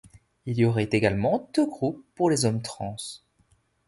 Il y aurait également deux groupes pour les hommes trans.